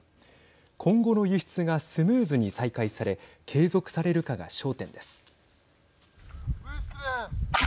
今後の輸出がスムーズに再開され継続されるかが焦点です。